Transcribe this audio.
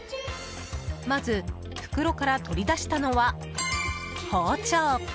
まず、袋から取り出したのは包丁。